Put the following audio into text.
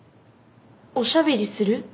おしゃべりする？